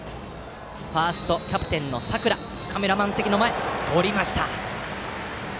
ファースト、キャプテンの佐倉がカメラマン席の前でとりました。